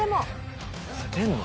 勝てんの？